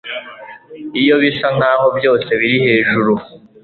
iyo bisa nkaho byose biri hejuru